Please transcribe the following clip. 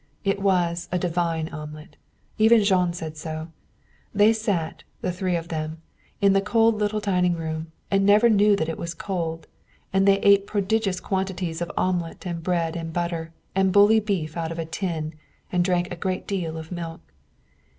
It was a divine omelet. Even Jean said so. They sat, the three of them, in the cold little dining room and never knew that it was cold, and they ate prodigious quantities of omelet and bread and butter, and bully beef out of a tin, and drank a great deal of milk.